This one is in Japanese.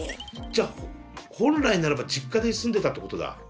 じゃ本来ならば実家で住んでたってことだ。